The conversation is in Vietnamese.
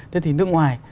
thế thì nước ngoài